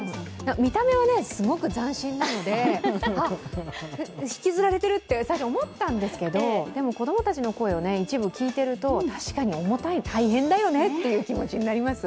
見た目はすごく斬新なので引きずられてるって、最初思ったんですけど、でも、子供たちの声を一部聞いてると、確かに重たい、大変だよねという気持ちになります。